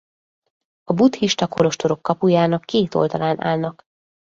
A buddhista kolostorok kapujának két oldalán állnak.